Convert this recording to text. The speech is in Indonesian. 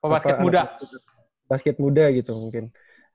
basket muda basket muda gitu mungkin